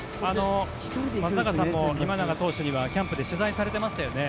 松坂さんも今永投手にはキャンプで取材されてましたよね。